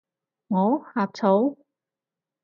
我？呷醋？